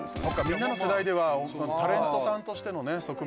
みんなの世代ではタレントさんとしてのね側面。